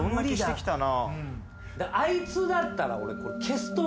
あいつだったら俺。